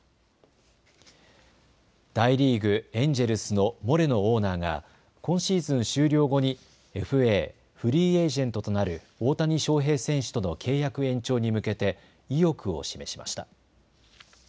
大リーグ、エンジェルスのモレノオーナーが今シーズン終了後にＦＡ・フリーエージェントとなる大谷翔平選手との契約延長に向けて意欲を示しました。